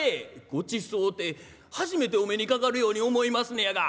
「ごちそうて初めてお目にかかるように思いますのやが」。